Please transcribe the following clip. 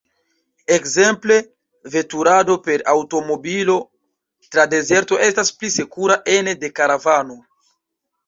Ekzemple veturado per aŭtomobilo tra dezerto estas pli sekura ene de karavano.